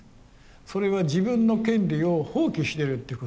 それは自分の権利を放棄してるっていうことです。